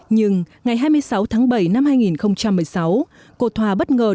nhưng ngày hai mươi sáu tháng bảy năm hai nghìn một mươi sáu cô thoa bất ngờ đứng